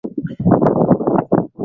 Mgonjwa ameenda